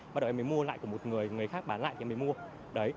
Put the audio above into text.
bắt đầu em mới mua lại của một người người khác bán lại thì em mới mua